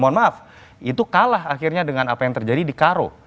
mohon maaf itu kalah akhirnya dengan apa yang terjadi di karo